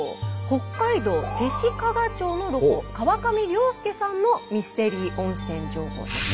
北海道弟子屈町のロコ川上椋輔さんのミステリー温泉情報です。